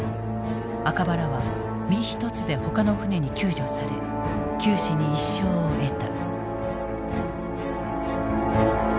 赤羽らは身一つでほかの船に救助され九死に一生を得た。